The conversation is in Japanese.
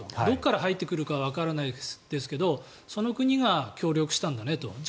どこから入ってくるかはわからないですがその国が協力したんだねと。